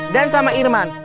dan sama irman